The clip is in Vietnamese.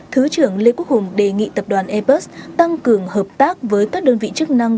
thứ trưởng lê quốc hùng đề nghị tập đoàn airbus tăng cường hợp tác với các đơn vị chức năng